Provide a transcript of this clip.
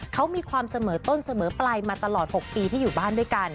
เขามีความเสมอต้นเสมอปลายมาตลอด๖ปีที่อยู่บ้านด้วยกัน